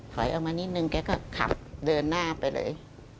ถอยออกมานิดนึงแกก็ขับเดินหน้าไปเลย